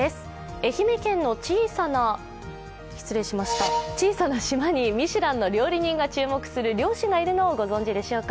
愛媛県の小さな島にミシュランの料理人が注目する漁師がいるのをご存じでしょうか。